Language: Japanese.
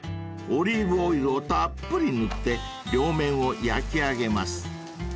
［オリーブオイルをたっぷり塗って両面を焼き上げます］